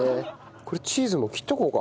これチーズも切っとこうか。